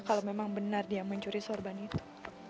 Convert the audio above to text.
kalau memang benar dia mencuri sorban itu